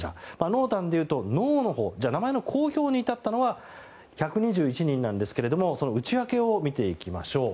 濃淡でいうと濃のほう名前の公表に至ったのは１２１人なんですがその内訳をみていきましょう。